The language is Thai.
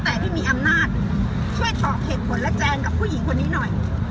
แต่ที่มีอำนาจช่วยตอบเหตุผลและแจงกับผู้หญิงคนนี้หน่อย